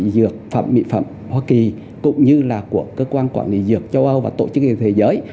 dược phẩm mỹ phẩm hoa kỳ cũng như là của cơ quan quản lý dược châu âu và tổ chức y tế thế giới